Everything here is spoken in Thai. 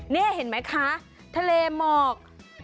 นี่เห็นไหมคะทะเลหมอก